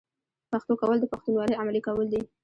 پښتو کول د پښتونولۍ عملي کول دي.